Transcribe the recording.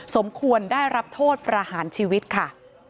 สมควรได้รับโทษประหารชีวิตค่ะ